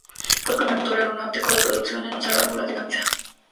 Fue el primer motor aeronáutico de producción en usar válvulas de camisa.